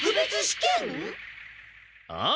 ああ。